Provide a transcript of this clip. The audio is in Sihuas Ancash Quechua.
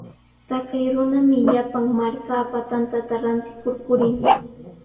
Taqay runami llapan markapa tantata rantikur purin.